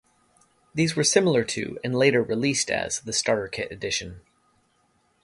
These were similar to, and later released as, the Starter Kit edition.